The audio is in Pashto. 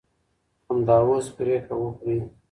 همدا اوس پرېکړه وکړئ.